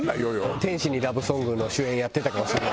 『天使にラブ・ソングを』の主演やってたかもしれない。